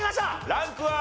ランクは？